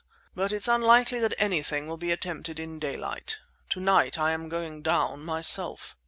But it's unlikely that anything will be attempted in daylight. Tonight I am going down myself."